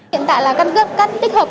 hiện tại là căn cấp cắt tích hợp